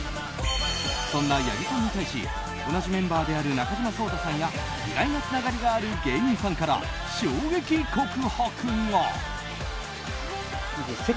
そんな八木さんに対し同じメンバーである中島颯太さんや意外なつながりがある芸人さんから衝撃告白が。